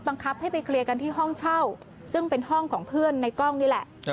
ให้ไปเคลียร์กันที่ห้องเช่าซึ่งเป็นห้องของเพื่อนในกล้องนี่แหละ